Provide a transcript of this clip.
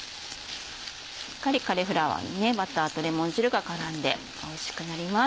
しっかりカリフラワーにバターとレモン汁が絡んでおいしくなります。